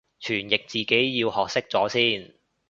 傳譯自己要學識咗先